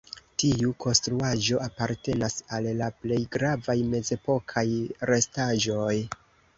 Tiu konstruaĵo apartenas al la plej gravaj mezepokaj restaĵoj.